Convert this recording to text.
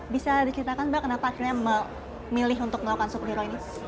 bisa diceritakan mbak kenapa akhirnya memilih untuk melakukan superhero ini